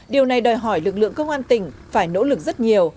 điều này đòi hỏi lực lượng công an tỉnh phải nỗ lực rất nhiều